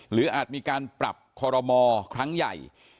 หรืออาจมีการปรับคอลโรมอร์ครั้งใหญ่